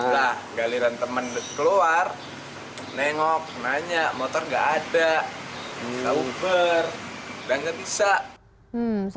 nah galiran teman keluar nengok nanya motor gak ada koper gak bisa